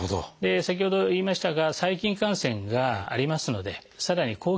先ほど言いましたが細菌感染がありますのでさらに